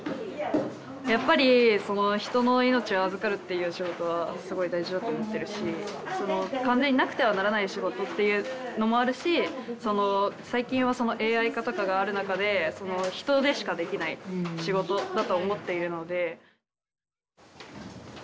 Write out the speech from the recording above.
やっぱりその人の命を預かるっていう仕事はすごい大事だと思ってるし完全になくてはならない仕事っていうのもあるしその最近はそのＡＩ化とかがある中でその人でしかできない仕事だと思っているので。